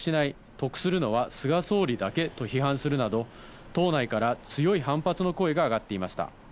得するのは菅総理だけと批判するなど、党内から強い反発の声があがっていました。